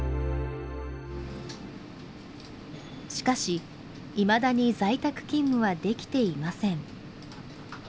しかし、いまだに在宅勤務はできていません。